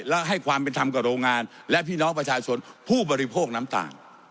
และให้ความเป็นธรรมกับโรงงานและพี่น้องประชาชนผู้บริโภคน้ำตาล